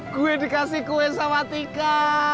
gue dikasih kue sama tika